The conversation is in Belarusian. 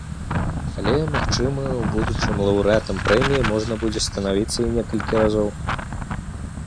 Але, магчыма, у будучым лаўрэатам прэміі можна будзе станавіцца і некалькі разоў.